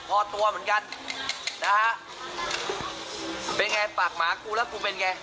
พอตัวเหมือนกันนะฮะเป็นไงปากหมากูแล้วกูเป็นไง